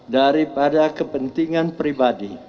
daripada kepentingan pribadi